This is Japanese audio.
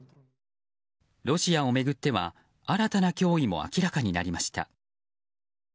ロシアを巡っては新たな脅威も明らかになりました。